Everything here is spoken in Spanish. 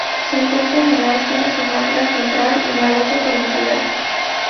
Se encuentran en Asia: Sumatra central y Malasia peninsular.